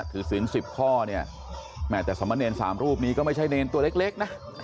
ถือศิลป์๑๐ข้อเนี่ยแม่แต่สมเนร๓รูปนี้ก็ไม่ใช่เนรตัวเล็กนะ